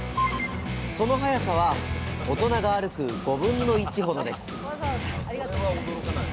その速さは大人が歩く５分の１ほどです